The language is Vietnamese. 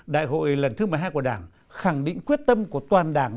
đại hội lần thứ một mươi hai của đảng khẳng định quyết tâm của toàn đảng